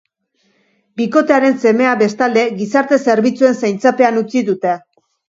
Bikotearen semea, bestalde, gizarte-zerbitzuen zaintzapean utzi dute.